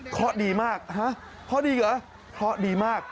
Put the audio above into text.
เคราะห์ดีมากเคราะห์ดีเหรอเคราะห์ดีมาก